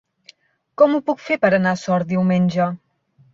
Com ho puc fer per anar a Sort diumenge?